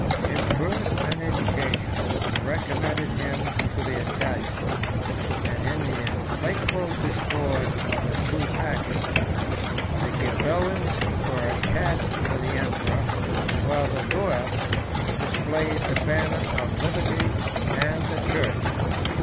His birth and education recommended him to the Italians; and in the implacable discord of the two factions, the Ghibelins were attached to the emperor, while the Guelfs displayed the banner of liberty and the church.